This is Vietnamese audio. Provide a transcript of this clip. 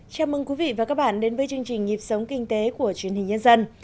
chào mừng quý vị và các bạn đến với chương trình nhịp sống kinh tế của truyền hình nhân dân